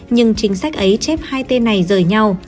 nhưng chính sách ấy chép hai tên này rời nhau